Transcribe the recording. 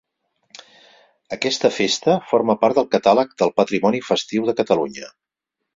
Aquesta festa forma part del Catàleg del Patrimoni Festiu de Catalunya.